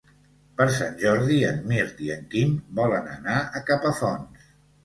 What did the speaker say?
Per Sant Jordi en Mirt i en Quim volen anar a Capafonts.